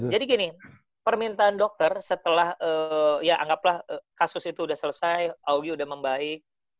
jadi gini permintaan dokter setelah ya anggaplah kasus itu udah selesai augie udah membaik